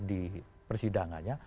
bisa dikejar persidangannya